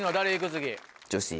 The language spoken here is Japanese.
次。